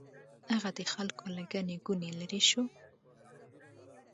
هغه د خلکو له ګڼې ګوڼې لرې شو.